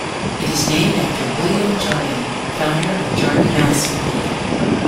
It is named after William Jardine, founder of Jardine Matheson.